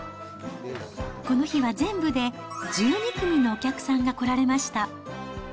この日は全部で１２組のお客さんが来られました。